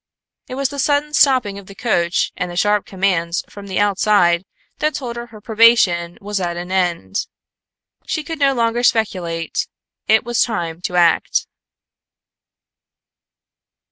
It was the sudden stopping of the coach and the sharp commands from the outside that told her probation was at an end. She could no longer speculate; it was high time to act.